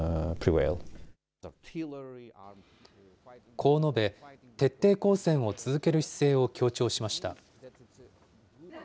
こう述べ、徹底抗戦を続ける姿勢を強調しました。